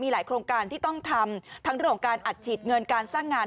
มีหลายโครงการที่ต้องทำทั้งต้องการอัดฉีดเงินการรจะงาน